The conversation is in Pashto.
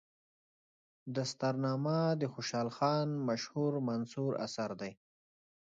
دستارنامه د خوشحال خان مشهور منثور اثر دی.